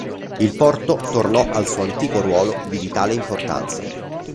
Il porto tornò al suo antico ruolo di vitale importanza.